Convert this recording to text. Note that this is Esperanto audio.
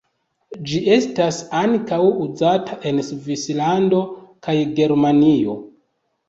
Ĝi estas ankaŭ uzata en Svislando kaj Germanio.